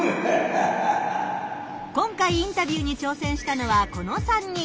今回インタビューにちょうせんしたのはこの３人。